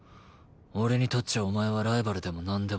俺にとっちゃお前はライバルでもなんでもない。